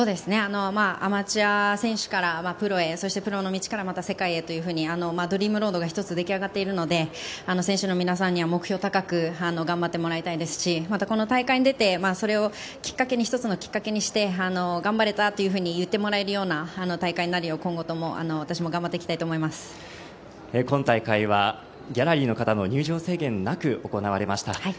アマチュア選手からプロへそしてプロの道から世界へというふうにドリームロードが出来上がっているので選手の皆さんには目標高く頑張ってもらいたいですしこの大会に出て、それをきっかけに、１つのきっかけにして頑張れたと言ってもらえるような大会になるよう今後とも私も今大会はギャラリーの方の入場制限なく行われました。